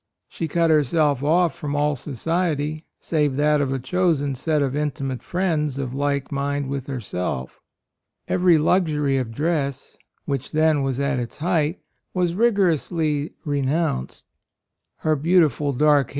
She cut herself off from all society, save that of a chosen set of intimate friends of like mind with herself. Every luxury of dress, which then was at its height, was rigorously re nounced. Her beautiful dark AND MOTHER.